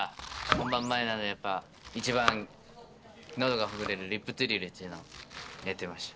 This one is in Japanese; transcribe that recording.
本番前なのでやっぱ一番喉がほぐれるリップトゥリルっていうのをやってました。